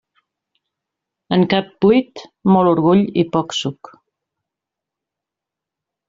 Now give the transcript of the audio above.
En cap buit, molt orgull i poc suc.